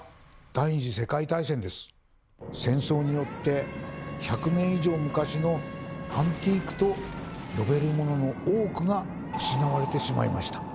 戦争によって１００年以上昔の「アンティーク」と呼べるモノの多くが失われてしまいました。